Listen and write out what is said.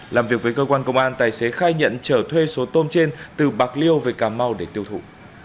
làm việc với cơ quan công an tài xế khai nhận trở thuê số tôm trên từ bạc liêu về cà mau để tiêu thụ